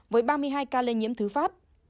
với ba mươi hai ca lây nhiễm thứ phát